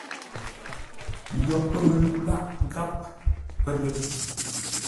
Yo pə̂ məlu lâʼ gháp pə ləpi.